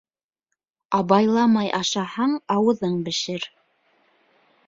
Абайламай ашаһаң, ауыҙың бешер.